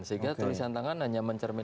sehingga tulisan tangan hanya mencari kemampuan